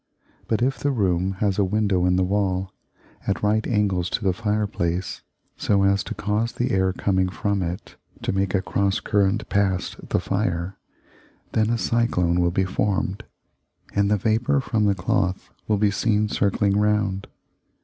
But if the room has a window in the wall, at right angles to the fireplace, so as to cause the air coming from it to make a cross current past the fire, then a cyclone will be formed, and the vapour from the cloth will be seen circling round.